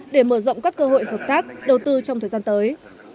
để mở rộng các cơ hội hợp tác đầu tư trong thời gian tới